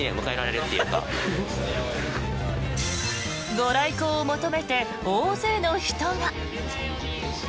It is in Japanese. ご来光を求めて、大勢の人が。